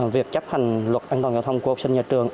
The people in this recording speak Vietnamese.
việc chấp hành luật an toàn giao thông của học sinh nhà trường